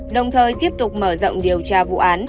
đồng thời tiếp tục mở rộng điều tra vụ án